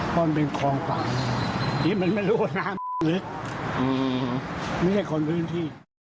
เพราะมันเป็นคลองป่าที่มันไม่รู้ว่าน้ำมันลึกไม่ใช่คนพื้นที่